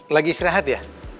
lagi istirahat ya